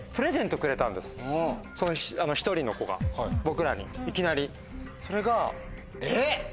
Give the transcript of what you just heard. その１人の子が僕らにいきなり。えっ！